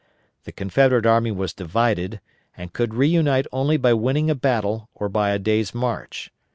The Confederate army was divided, and could reunite only by winning a battle or by a day's march.